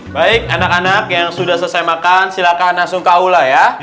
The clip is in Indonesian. baik anak anak yang sudah selesai makan silakan langsung ke aula ya